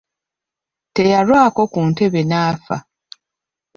Teyalwako ku ntebe n'afa.